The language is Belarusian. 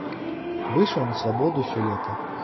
Выйшаў на свабоду сёлета.